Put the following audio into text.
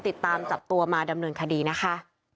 ติดตามจับตัวมาดำเนินคดีนะคะ